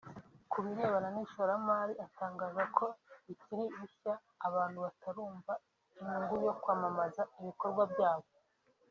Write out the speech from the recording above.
Ku birebana n’ishoramari atangaza ko bikiri bishya abantu batarumva inyungu yo kwamamaza ibikorwa byabo